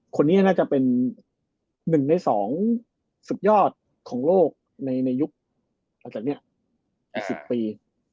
คนนี้น่าจะเป็น๑ใน๒สุดยอดของโลกในยุคหลังจากนี้อีก๑๐ปี